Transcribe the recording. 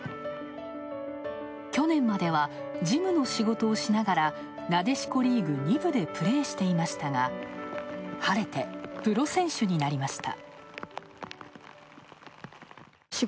去年までは、事務の仕事をしながらなでしこリーグ２部でプレーしていましたが晴れてプロ選手になりました。